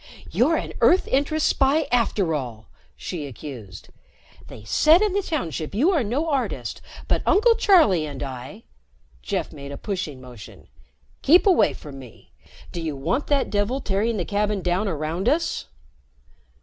"You're an Earth Interests spy after all," she accused. "They said in the Township you are no artist, but Uncle Charlie and I " Jeff made a pushing motion. "Keep away from me. Do you want that devil tearing the cabin down around us?"